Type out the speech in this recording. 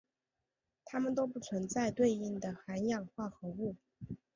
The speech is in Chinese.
它们都不存在对应的含氧化合物。